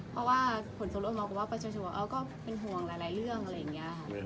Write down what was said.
เพราะว่าผลส่วนลงมองว่าประชาชุก็เป็นห่วงหลายเรื่อง